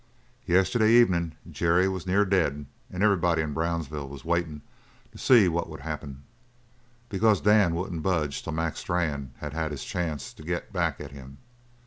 Yesterday evenin' Jerry was near dead and everybody in Brownsville was waitin' to see what would happen, because Dan wouldn't budge till Mac Strann had had his chance to get back at him.